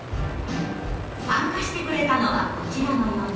参加してくれたのはこちらの４人。